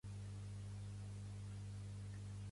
És la capital de la regió de Vatovavy-Fitovinany.